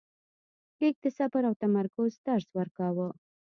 لیک د صبر او تمرکز درس ورکاوه.